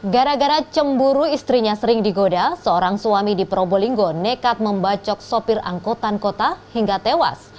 gara gara cemburu istrinya sering digoda seorang suami di probolinggo nekat membacok sopir angkutan kota hingga tewas